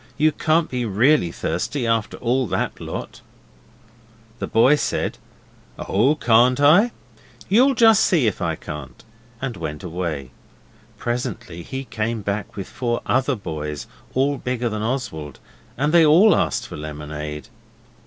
You can't be really thirsty after all that lot.' The boy said, 'Oh, can't I? You'll just see if I can't,' and went away. Presently he came back with four other boys, all bigger than Oswald; and they all asked for lemonade.